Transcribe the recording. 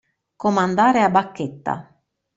Comandare a bacchetta.